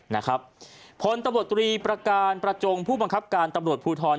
นะครับพลตำรวจตรีประการประจงผู้บังคับการตำรวจภูทร